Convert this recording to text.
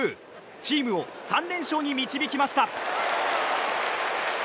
チームを３連勝に導きました。